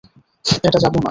এটা জাদু নয়।